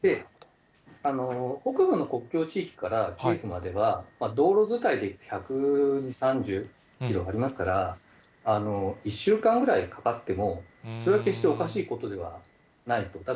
北部の国境地域からキエフまでは道路伝いで行くと１３０キロありますから、１週間ぐらいかかっても、それは決しておかしいことではないと。